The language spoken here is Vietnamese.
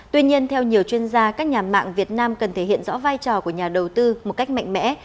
tuy nhiên theo nhiều chuyên gia các nhà mạng việt nam cần thể hiện rõ vai trò của nhà đầu tư một cách mạnh mẽ